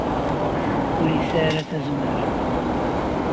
Ur yesɛi ara tazmert.